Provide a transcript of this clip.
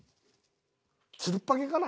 つるっぱげかな？